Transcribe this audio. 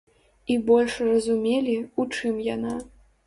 І больш разумелі, у чым яна.